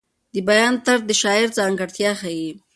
د بیان طرز د شاعر ځانګړتیا ښیي.